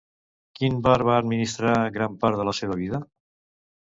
Quin bar va administrar gran part de la seva vida?